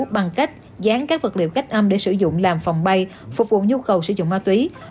bằng cách dán các vật liệu khách âm để sử dụng làm phòng bay phục vụ nhu cầu sử dụng ma túy